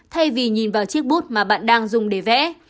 thay vì nhìn vào chiếc bút mà bạn đang dùng để vẽ